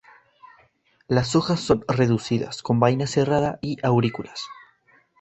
Las hojas son reducidas, con vaina cerrada y aurículas.